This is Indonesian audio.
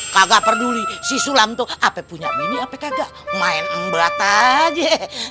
kagak peduli si sulam tuh apa punya mini apa kagak main embrak aja